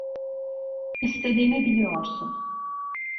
İstediğimi biliyorsun.